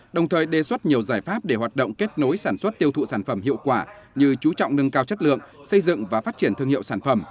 đồng thời đề xuất nhiều giải pháp để hoạt động kết nối sản xuất tiêu thụ sản phẩm hiệu quả như chú trọng nâng cao chất lượng xây dựng và phát triển thương hiệu sản phẩm